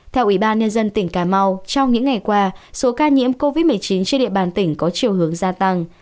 theo ủy ban nhân dân tỉnh cà mau trong những ngày qua số ca nhiễm covid một mươi chín trên địa bàn tỉnh có chiều hướng gia tăng